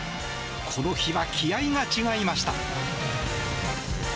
この日は気合が違いました。